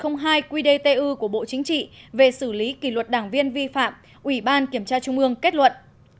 căn cứ quy định số một trăm linh hai qdtu của bộ chính trị về xử lý kỳ luật đảng viên vi phạm ủy ban kiểm tra trung ương kết luận